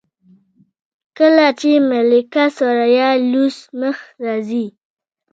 کله چې ملکه ثریا لوڅ مخ راځي.